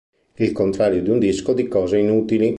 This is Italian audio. Il contrario di un disco di cose inutili".